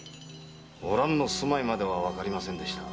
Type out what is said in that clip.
お蘭の住まいまではわかりませんでした。